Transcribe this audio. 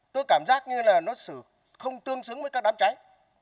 tôi cảm giác như là nó không tương xứng với các đám cháy